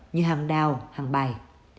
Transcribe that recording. như hàng đào hàng bài